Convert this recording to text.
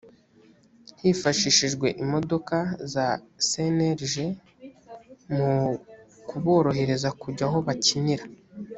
hifashishijwe imodoka za cnlg mu kuborohereza kujya aho bakinira